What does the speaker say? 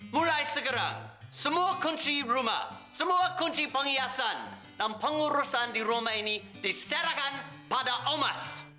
mulai segera semua kunci rumah semua kunci penghiasan dan pengurusan di rumah ini diserahkan pada omas